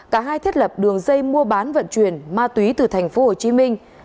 cả hai thiết lập đường dây mua bán vận chuyển ma túy từ tp hcm